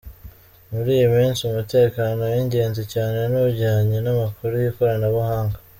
Muri iyi minsi umutekano w’ingenzi cyane ni ujyanye n’amakuru y’ikoranabuhanga.